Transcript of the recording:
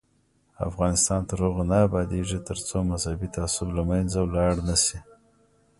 افغانستان تر هغو نه ابادیږي، ترڅو مذهبي تعصب له منځه لاړ نشي.